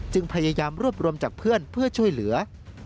พยายามรวบรวมจากเพื่อนเพื่อช่วยเหลือ